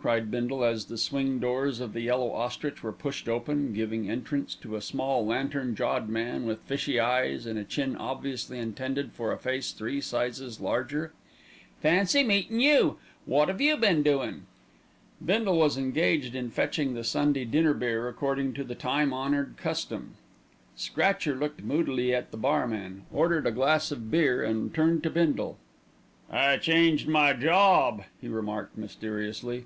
cried Bindle as the swing doors of The Yellow Ostrich were pushed open, giving entrance to a small lantern jawed man, with fishy eyes and a chin obviously intended for a face three sizes larger. "Fancy meetin' you! Wot 'ave you been doin'?" Bindle was engaged in fetching the Sunday dinner beer according to the time honoured custom. Scratcher looked moodily at the barman, ordered a glass of beer and turned to Bindle. "I changed my job," he remarked mysteriously.